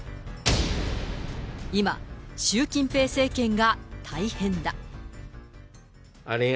今、習近平政権が大変だ。